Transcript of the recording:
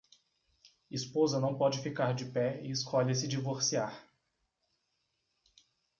Esposa não pode ficar de pé e escolhe se divorciar